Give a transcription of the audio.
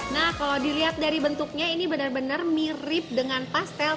nah kalau dilihat dari bentuknya ini benar benar mirip dengan pastel